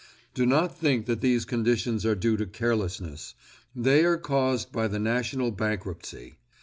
Do not think that these conditions are due to carelessness; they are caused by the national bankruptcy.